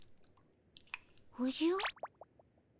おじゃっ。